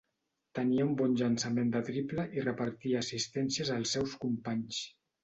Tenia un bon llançament de triple i repartia assistències als seus companys.